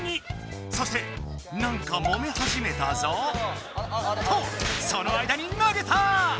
そしてなんかもめ始めたぞ！とその間に投げた！